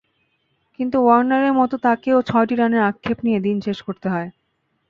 কিন্তু ওয়ার্নারের মতো তাঁকেও ছয়টি রানের আক্ষেপ নিয়ে দিন শেষ করতে হয়।